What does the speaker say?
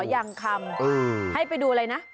ยังคำให้ไปดูอะไรนะ